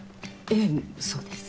ええそうです。